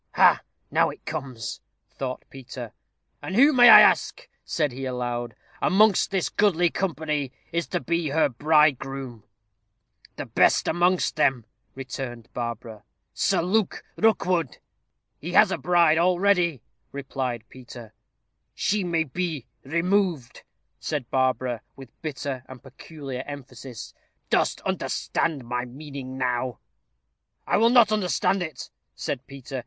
"Ha! now it comes," thought Peter. "And who, may I ask," said he, aloud, "amongst this goodly company, is to be her bridegroom?" "The best amongst them," returned Barbara "Sir Luke Rookwood." "He has a bride already," replied Peter. "She may be removed," said Barbara, with bitter and peculiar emphasis. "Dost understand my meaning now?" "I will not understand it," said Peter.